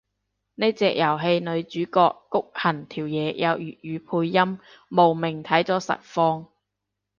呢隻遊戲個女主角谷恆條嘢有粵語配音，慕名睇咗實況